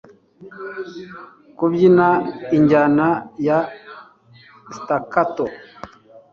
kubyina injyana ya staccato